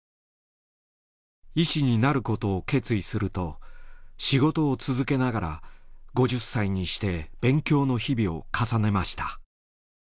医師になることを決意すると仕事を続けながら５０歳にして勉強の日々を重ねました。